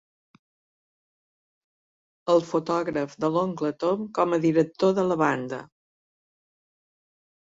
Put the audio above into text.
El fotògraf de l'oncle Tom com a director de la banda.